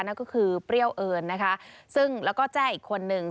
นั่นก็คือเปรี้ยวเอิญนะคะซึ่งแล้วก็แจ้อีกคนนึง